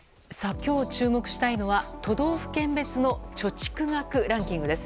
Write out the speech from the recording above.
今日注目したいのは都道府県別の貯蓄額ランキングです。